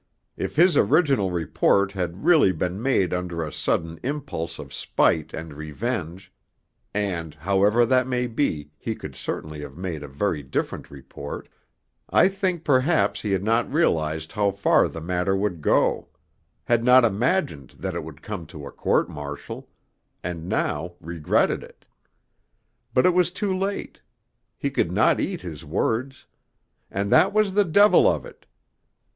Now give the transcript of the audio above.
If his original report had really been made under a sudden impulse of spite and revenge (and, however that may be, he could certainly have made a very different report), I think perhaps he had not realized how far the matter would go had not imagined that it would come to a Court Martial, and now regretted it. But it was too late. He could not eat his words. And that was the devil of it.